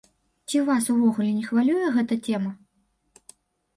Ці вас увогуле не хвалюе гэтая тэма?